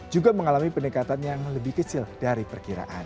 juga mengalami peningkatan yang lebih kecil dari perkiraan